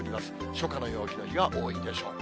初夏の陽気の日が多いでしょう。